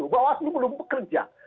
bahwa itu belum bekerja